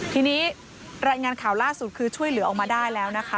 ทีนี้รายงานข่าวล่าสุดคือช่วยเหลือออกมาได้แล้วนะคะ